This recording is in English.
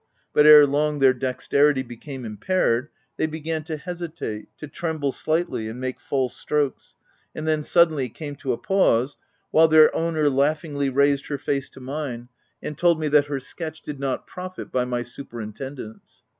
But erelong their dexterity became impaired, they began to hesitate, to tremble slightly, and make false strokes, and, then, suddenly came to a pause, while their owner laughingly raised her face to mine, and told me that her sketch did not profit by my superintendence.